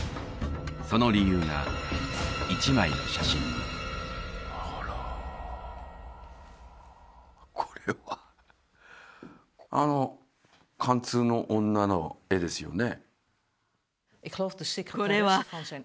その理由が一枚の写真にあらこれはあの「姦通の女」の絵ですよね